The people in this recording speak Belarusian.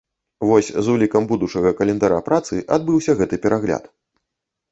Вось з улікам будучага календара працы адбыўся гэты перагляд.